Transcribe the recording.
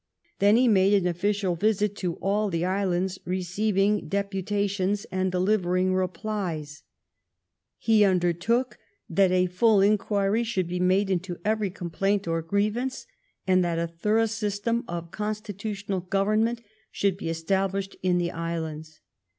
Then he made an official visit to all the islands, receiv ing deputations and delivering replies. He under THE IONIAN ISLANDS 207 took that a full inquiry should be made into every complaint or grievance, and that a thorough system of constitutional government should be es tablished in the islands.